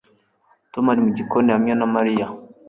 Tom ari mu gikoni hamwe na Mariya